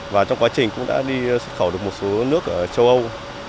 và trong quá trình cũng đã đi xuất khẩu được một số nước ở châu âu